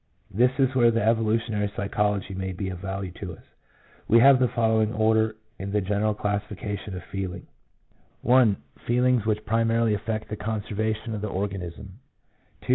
This is where the evolutionary psychology may be of value to us. We have the following order in the general classification of feeling: 1 — I. Feelings which primarily affect the conservation of the organ ism ; II.